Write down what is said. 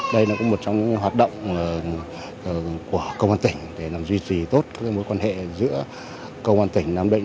đây là một trong những hoạt động của công an tỉnh để duy trì tốt mối quan hệ giữa công an tỉnh nam định